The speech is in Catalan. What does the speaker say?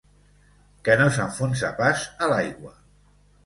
Que no s'enfonsa pas a l'aigua.